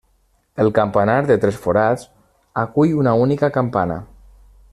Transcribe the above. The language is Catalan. El campanar, de tres forats, acull una única campana.